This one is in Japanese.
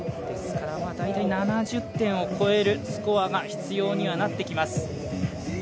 ですから大体７０点を超えるスコアが必要にはなってきます。